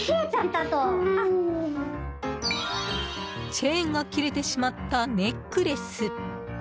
チェーンが切れてしまったネックレス。